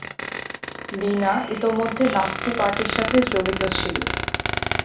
লিনা ইতোমধ্যে নাৎসি পার্টির সাথে জড়িত ছিল।